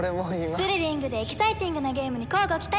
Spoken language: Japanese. スリリングでエキサイティングなゲームに乞うご期待！